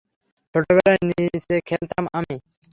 ছোটবেলায়, নিচে খেলতাম আমি।